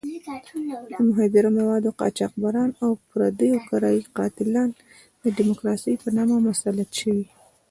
د مخدره موادو قاچاقبران او پردو کرایي قاتلان د ډیموکراسۍ په نامه مسلط شوي.